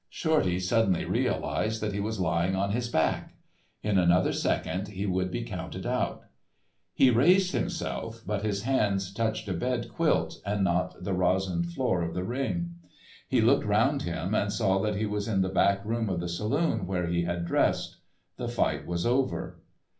Shorty suddenly realised that he was lying on his back. In another second he would be counted out. He raised himself, but his hands touched a bed quilt and not the resined floor of the ring. He looked around him and saw that he was in the back room of the saloon where he had dressed. The fight was over.